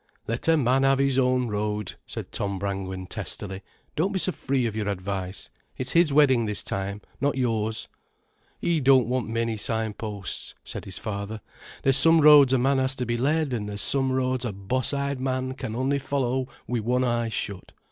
"Let a man have his own road," said Tom Brangwen testily. "Don't be so free of your advice—it's his wedding this time, not yours." "'E don't want many sign posts," said his father. "There's some roads a man has to be led, an' there's some roads a boss eyed man can only follow wi' one eye shut.